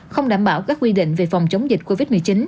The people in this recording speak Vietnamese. không đảm bảo các quy định về phòng chống dịch covid một mươi chín